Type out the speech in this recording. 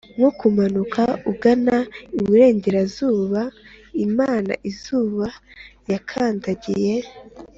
nkuko kumanuka ugana iburengerazuba imana-izuba yakandagiye,